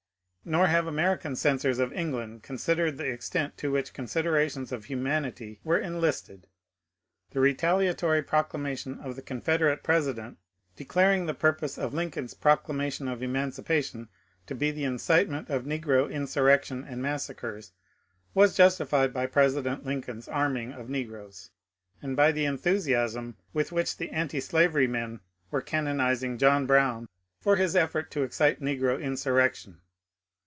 Nor have American censors of England considered the extent to which considerations of humanity were enlisted. The retaliatory proclamation of the Confederate president, de claring the purpose of Lincoln's Proclamation of Emancipa tion to be the incitement of negro insurrection and massacres, was justified by President Lincoln's arming of negroes, and by the enthusiasm with which the antislavery men were canonizing John Brown for his effort to excite negro insur rection.